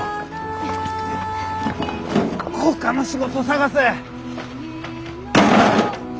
ほかの仕事探せ。